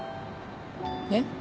えっ？